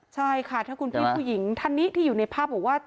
ใช่ค่ะถ้าคุณพี่ผู้หญิงท่านนี้ที่อยู่ในภาพบอกว่า